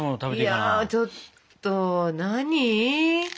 いやちょっと何？